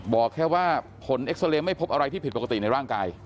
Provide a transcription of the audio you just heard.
บอกแค่ว่าผลเอ็กซาเรย์ไม่พบอะไรที่ผิดปกติในร่างกาย